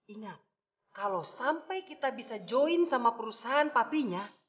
ingat kalau sampai kita bisa join sama perusahaan papinya